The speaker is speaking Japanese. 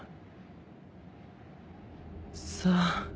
さあ。